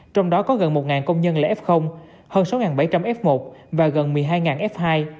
trong đó có gần một công nhân là f hơn sáu bảy trăm linh f một và gần một mươi hai f hai